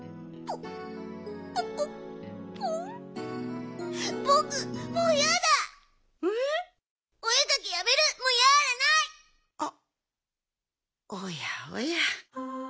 あっおやおや。